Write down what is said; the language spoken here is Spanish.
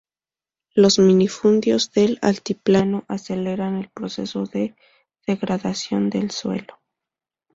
Los minifundios del altiplano aceleran el proceso de degradación del suelo.